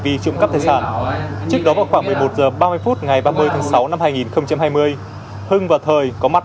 vì trộm cắp tài sản trước đó vào khoảng một mươi một h ba mươi phút ngày ba mươi tháng sáu năm hai nghìn hai mươi hưng và thời có mặt